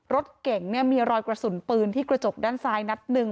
รถเก๋งเนี่ยมีรอยกระสุนปืนที่กระจกด้านซ้ายนัดหนึ่ง